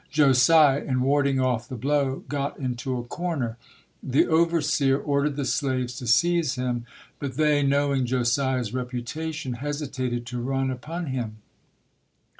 Josiah, in warding off the blow, got into a corner. The overseer ordered the slaves to seize him, but they, knowing Josiah's reputation, hesitated to run upon him.